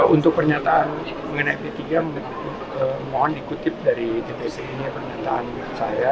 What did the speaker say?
untuk pernyataan mengenai p tiga mohon dikutip dari dpc ini pernyataan saya